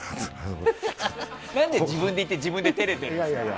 何で自分で言って自分で照れてるんですか。